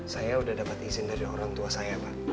saya sudah dapat izin dari orang tua saya pak